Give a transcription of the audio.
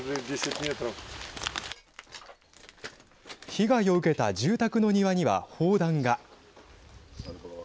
被害を受けた住宅の庭には砲弾が。